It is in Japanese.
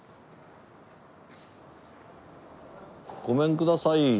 ごめんください！